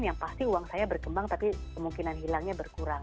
yang pasti uang saya berkembang tapi kemungkinan hilangnya berkurang